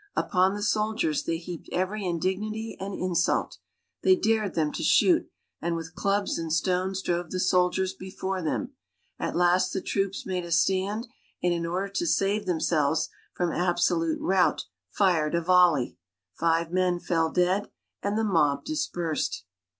Upon the soldiers, they heaped every indignity and insult. They dared them to shoot, and with clubs and stones drove the soldiers before them. At last the troops made a stand and in order to save themselves from absolute rout fired a volley. Five men fell dead and the mob dispersed.